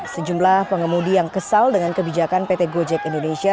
sejumlah pengemudi yang kesal dengan kebijakan pt gojek indonesia